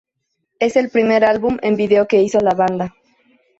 Es el primer álbum en video que hizo la banda.